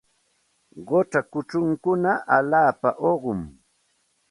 Qucha kuchunkuna allaapa uqumi.